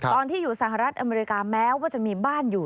ตอนที่อยู่สหรัฐอเมริกาแม้ว่าจะมีบ้านอยู่